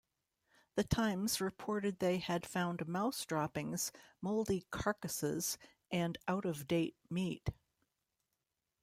"The Times" reported they had found mouse droppings, mouldy carcasses and out-of-date meat.